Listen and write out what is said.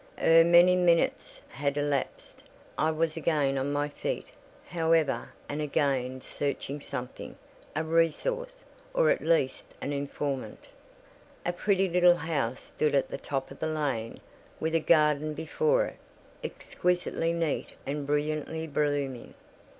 Ere many minutes had elapsed, I was again on my feet, however, and again searching something—a resource, or at least an informant. A pretty little house stood at the top of the lane, with a garden before it, exquisitely neat and brilliantly blooming.